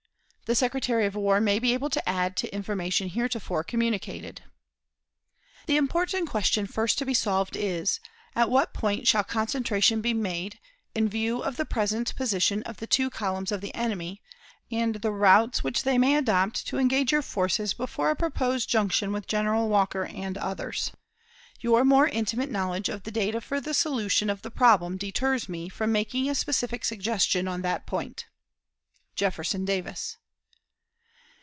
The Secretary of War may be able to add to information heretofore communicated. "The important question first to be solved is, At what point shall concentration be made, in view of the present position of the two columns of the enemy, and the routes which they may adopt to engage your forces before a proposed junction with General Walker and others. Your more intimate knowledge of the data for the solution of the problem deters me from making a specific suggestion on that point. "JEFFERSON DAVIS."